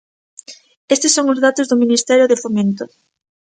Estes son os datos do Ministerio de Fomento.